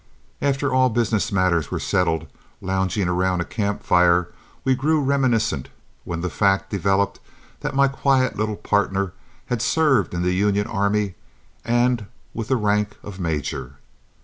After all business matters were settled, lounging around a camp fire, we grew reminiscent, when the fact developed that my quiet little partner had served in the Union army, and with the rank of major.